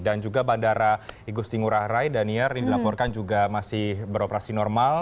dan juga bandara igusti ngurah rai dan iyer ini dilaporkan juga masih beroperasi normal